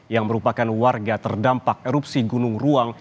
yang merupakan warga terdampak erupsi gunung ruang